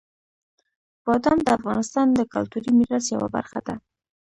بادام د افغانستان د کلتوري میراث یوه برخه ده.